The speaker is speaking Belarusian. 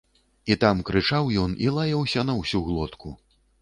І там крычаў ён і лаяўся на ўсю глотку.